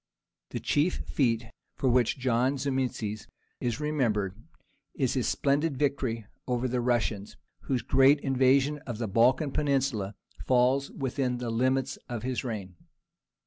The chief feat for which John Zimisces is remembered is his splendid victory over the Russians, whose great invasion of the Balkan Peninsula falls within the limits of his reign.